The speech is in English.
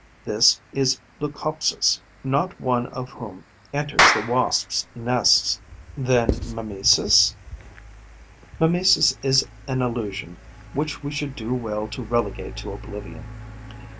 This is a Leucopsis, not one of whom enters the Wasps' nest.' 'Then mimesis...?' 'Mimesis is an illusion which we should do well to relegate to oblivion.'